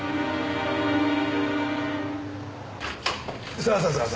さあさあさあ